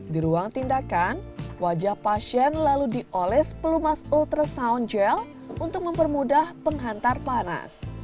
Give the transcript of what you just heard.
di ruang tindakan wajah pasien lalu dioles pelumas ultrasound gel untuk mempermudah penghantar panas